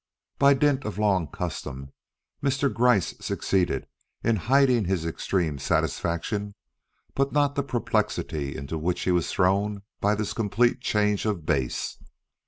By dint of long custom, Mr. Gryce succeeded in hiding his extreme satisfaction, but not the perplexity into which he was thrown by this complete change of base.